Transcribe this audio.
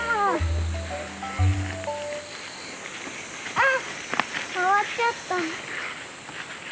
あっ回っちゃった。